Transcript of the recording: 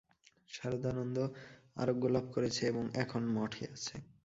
সারদানন্দ আরোগ্যলাভ করেছে এবং এখন মঠে আছে।